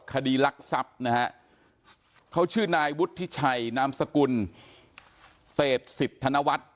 คดีรักทรัพย์นะฮะเขาชื่อนายวุฒิชัยนามสกุลเศษสิทธนวัฒน์